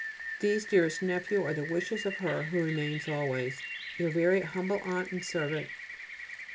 These, dearest nephew, are the wishes of her who remains always, Your very humble aunt and servant.